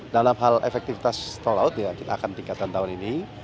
dalam hal efektivitas tol laut ya kita akan tingkatkan tahun ini